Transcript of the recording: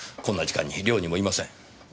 こんな時間に寮にもいません。